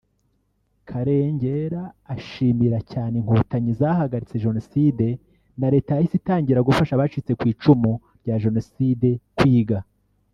Karengera ashimira cyane Inkotanyi zahagaritse Jenoside na Leta yahise itangira gufasha abacitse ku icumu rya Jenoside kwiga